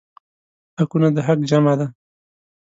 حقونه د حق جمع ده.